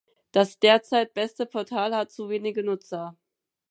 Das derzeit beste Portal hat zu wenige Nutzer.